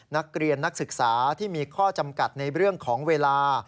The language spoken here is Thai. นักศึกษาที่มีข้อจำกัดในเรื่องของเวลา